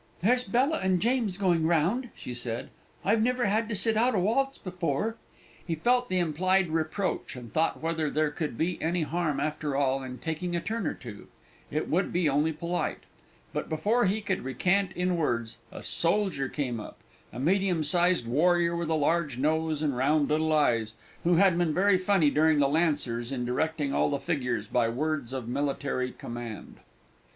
"There's Bella and James going round," she said; "I've never had to sit out a waltz before!" He felt the implied reproach, and thought whether there could be any harm, after all, in taking a turn or two; it would be only polite. But, before he could recant in words, a soldier came up, a medium sized warrior with a large nose and round little eyes, who had been very funny during the Lancers in directing all the figures by words of military command.